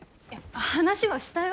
話はしたよ。